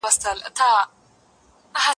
خدای ته ډيري لاري تللي